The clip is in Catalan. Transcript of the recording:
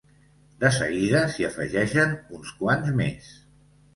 De seguida s'hi afegeixen uns quants més.